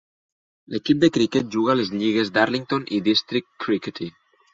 L'equip de criquet juga a les lligues Darlington i District Crickety.